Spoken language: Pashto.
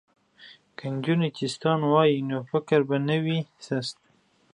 که نجونې چیستان ووايي نو فکر به نه وي سست.